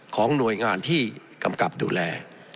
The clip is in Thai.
ของหน่วยงานที่กำกับดูแล